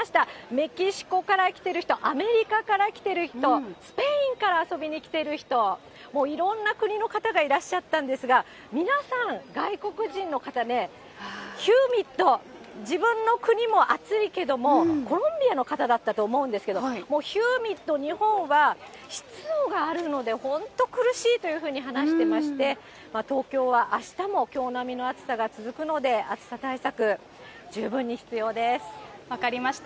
メキシコから来ている人、アメリカから来てる人、スペインから遊びに来ている人、もういろんな国の方がいらっしゃったんですが、皆さん、外国人の方ね、ヒューミット、自分の国も暑いけども、コロンビアの方だったと思うけれども、もうヒューミット、日本は湿度があるので、本当に苦しいというふうに話していまして、東京はあしたもきょう並みの暑さが続くので、暑さ対策、分かりました。